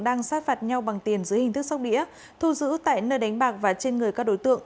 đang sát phạt nhau bằng tiền dưới hình thức sóc đĩa thu giữ tại nơi đánh bạc và trên người các đối tượng